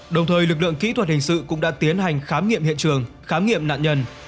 đồng thời lực lượng kỹ thuật hình sự cũng đã tiến hành khám nghiệm hiện trường khám nghiệm nạn nhân